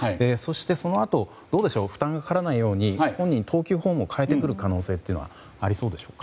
あと負担がかからないように本人は投球フォームを変えてくる可能性というのはありそうでしょうか？